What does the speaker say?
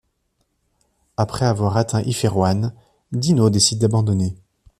Après avoir atteint Iférouane, Dinaux décide d'abandonner.